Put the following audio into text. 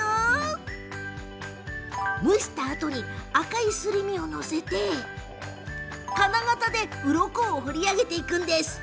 蒸したあとに赤いすり身を載せて金型で、うろこを彫り上げていくんです。